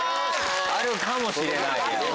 あるかもしれない？